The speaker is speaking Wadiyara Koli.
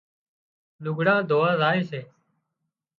لگھڙان ڌووا زائي سي